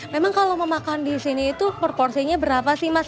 memang kalau mau makan disini itu porsinya berapa sih mas